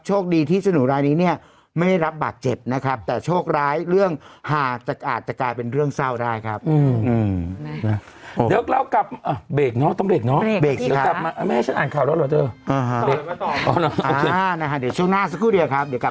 โชครีดีที่สนุนรายนี้